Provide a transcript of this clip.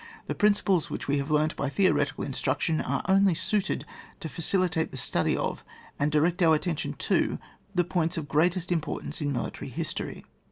The principles which we have learnt by theoretical instruction are only suited to facilitate the study 120 ON WAR. of and direct our attention to the points of greatest importance in military his tory.